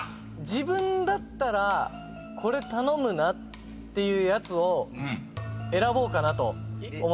自分だったらこれ頼むなっていうやつを選ぼうかなと思います。